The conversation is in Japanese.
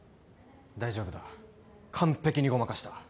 大丈夫だ完璧にごまかした。